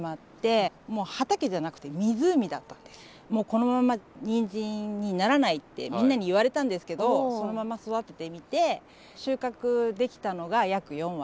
このままにんじんにならないってみんなに言われたんですけどそのまま育ててみてそういう四割だ。